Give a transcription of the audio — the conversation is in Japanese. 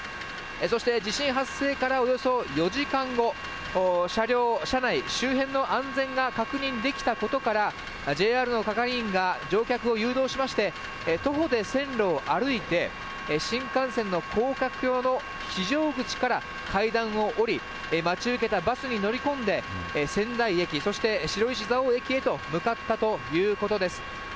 そして地震発生からおよそ４時間後、車両、車内周辺の安全が確認できたことから、ＪＲの係員が、乗客を誘導しまして、徒歩で線路を歩いて、新幹線の高架橋の非常口から階段を下り、待ち受けたバスに乗り込んで、仙台駅、そして白石蔵王駅へと向かったということです。